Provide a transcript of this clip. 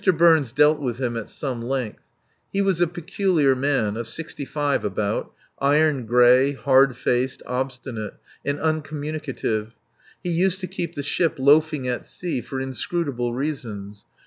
Burns dealt with him at some length. He was a peculiar man of sixty five about iron gray, hard faced, obstinate, and uncommunicative. He used to keep the ship loafing at sea for inscrutable reasons.